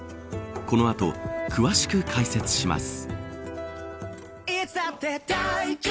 この後詳しく解説します。